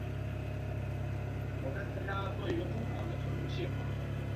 念了三年高中白白浪费